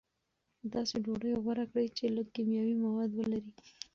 داسې ډوډۍ غوره کړئ چې لږ کیمیاوي مواد ولري.